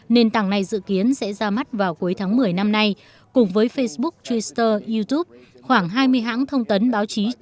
nền tảng này dự kiến sẽ ra mắt vào cuối tháng một mươi năm nay cùng với facebook twitter youtube khoảng hai mươi hãng thông tấn báo chí